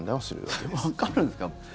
わかるんですか？